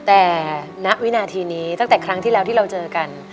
แต่ณวินาทีนี้ตั้งแต่ครั้งที่แล้วที่เราเจอกัน